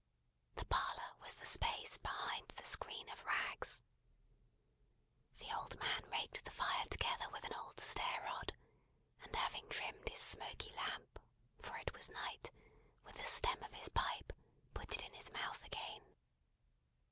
The parlour was the space behind the screen of rags. The old man raked the fire together with an old stair rod, and having trimmed his smoky lamp (for it was night), with the stem of his pipe, put it in his mouth again.